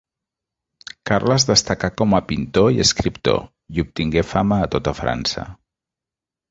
Carles destacà com a pintor i escriptor, i obtingué fama a tota França.